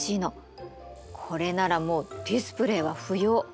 これならもうディスプレイは不要。